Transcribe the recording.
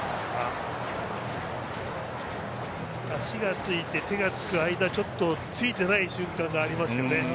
足がついて、手がつく間ちょっとついていない瞬間がありましたよね。